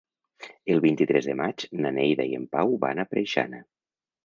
El vint-i-tres de maig na Neida i en Pau van a Preixana.